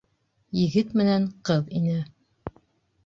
Егет менән ҡыҙ инә.